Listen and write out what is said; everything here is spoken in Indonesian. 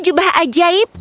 kau akan menangkapku fluff